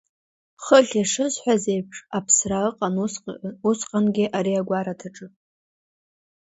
Хыхь ишысҳәаз еиԥш, аԥсра ыҟан усҟангьы ари агәараҭаҿы.